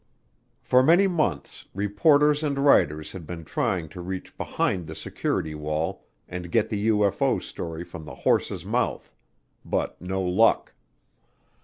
For many months reporters and writers had been trying to reach behind the security wall and get the UFO story from the horse's mouth, but no luck.